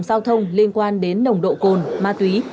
giao thông liên quan đến nồng độ cồn ma túy